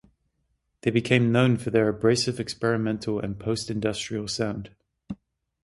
They became known for their abrasive experimental and post-industrial sound.